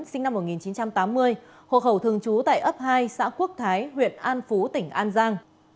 sinh năm một nghìn chín trăm tám mươi hộ khẩu thường trú tại ấp hai xã quốc thái huyện an phú tỉnh an giang